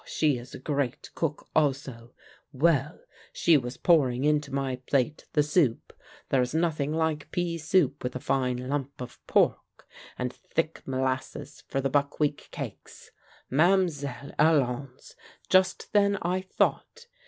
she is a great cook also — well, she was pouring into my plate the soup — there is nothing like pea soup with a fine lump of pork, and thick mo lasses for the buckwheat cakes. Ma'm'selle, allons! Just then I thought.